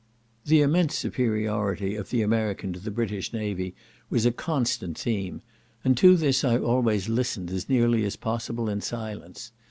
The immense superiority of the American to the British navy was a constant theme, and to this I always listened, as nearly as possible, in silence.